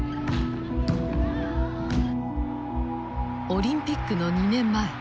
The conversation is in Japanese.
オリンピックの２年前。